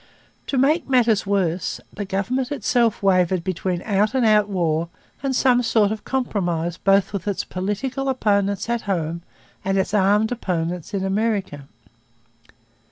To make matters worse, the government itself wavered between out and out war and some sort of compromise both with its political opponents at home and its armed opponents in America.